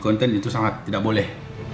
konten itu sangat tidak boleh